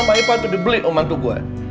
sama maipa itu dibeli oh mantu gua